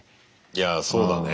いやぁそうだね。